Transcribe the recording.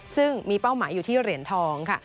ซึ่งมีเป้าหมายอยู่ที่เหรียญทองค่ะ